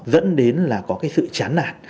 dẫn đến là có cái sự chán nạt